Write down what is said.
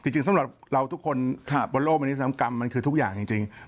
จริงสำหรับเราทุกคนถ้าบนโลกแบบนี้สำหรับกรรมมันคือทุกอย่างจริง